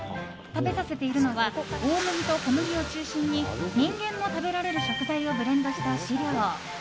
食べさせているのは大麦と小麦を中心に人間も食べられる食材をブレンドした飼料。